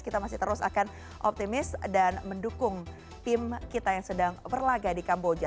kita masih terus akan optimis dan mendukung tim kita yang sedang berlaga di kamboja